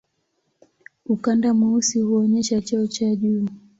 Ukanda mweusi huonyesha cheo cha juu.